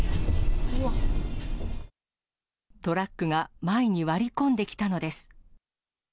トラックが前に割り込んできたのです。